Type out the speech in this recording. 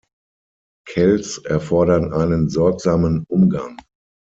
Cels erfordern einen sorgsamen Umgang.